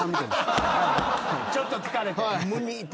ちょっと疲れて。